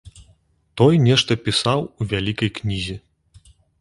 Той нешта пісаў у вялікай кнізе.